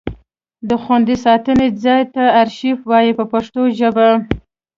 د خوندي ساتنې ځای ته ارشیف وایي په پښتو ژبه.